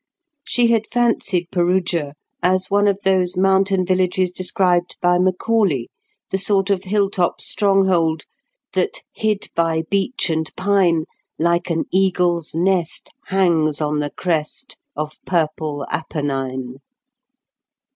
She had fancied Perugia as one of those mountain villages described by Macaulay, the sort of hilltop stronghold "That, hid by beech and pine, Like an eagle's nest hangs on the crest Of purple Apennine."